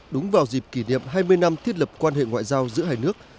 đúng vào dịp kỷ niệm hai mươi năm thiết lập quan hệ ngoại giao giữa hai nước